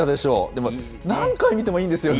でも何回見てもいいんですよね。